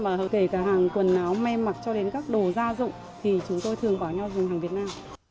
hàng việt nam kể cả hàng quần áo me mặc cho đến các đồ gia dụng thì chúng tôi thường bảo nhau dùng hàng việt nam